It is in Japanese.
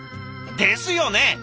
ですよね！